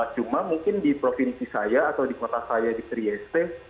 cuma mungkin di provinsi saya atau di kota saya di trieste